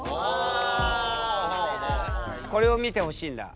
これを見てほしいんだ。